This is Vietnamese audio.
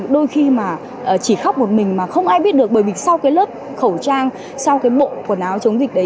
đôi khi mà chỉ khóc một mình mà không ai biết được bởi vì sau cái lớp khẩu trang sau cái bộ quần áo chống dịch đấy